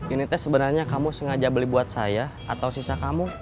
unitnya sebenarnya kamu sengaja beli buat saya atau sisa kamu